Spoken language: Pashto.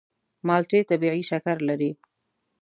مالټې طبیعي شکر لري.